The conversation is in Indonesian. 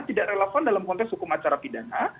tidak relevan dalam konteks hukum acara pidana